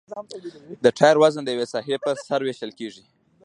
د ټایر وزن د یوې ساحې په سر ویشل کیږي